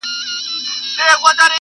تر څو به نوي جوړوو زاړه ښارونه سوځو؟-